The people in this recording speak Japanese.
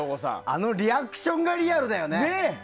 あのリアクションがリアルだよね。